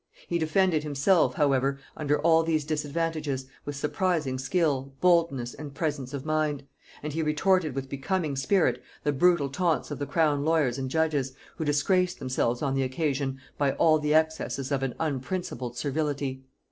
He defended himself however under all these disadvantages, with surprising skill, boldness and presence of mind; and he retorted with becoming spirit the brutal taunts of the crown lawyers and judges, who disgraced themselves on the occasion by all the excesses of an unprincipled servility.